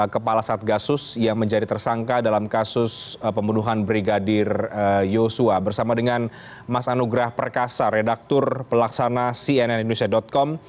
kepala satgasus yang menjadi tersangka dalam kasus pembunuhan brigadir yosua bersama dengan mas anugrah perkasa redaktur pelaksana cnn indonesia com